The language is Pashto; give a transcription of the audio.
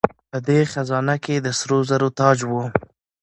په دې خزانه کې د سرو زرو تاج و